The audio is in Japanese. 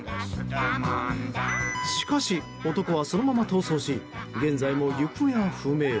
しかし、男はそのまま逃走し現在も行方は不明。